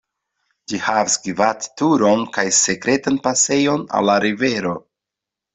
Ĝi havis gvat-turon kaj sekretan pasejon al la rivero.